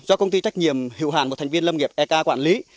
do công ty trách nhiệm hiệu hàn một thành viên lâm nghiệp iak quản lý